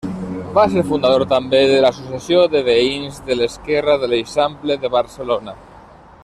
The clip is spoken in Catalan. Va ser fundador, també, de l'Associació de Veïns de l'Esquerra de l'Eixample de Barcelona.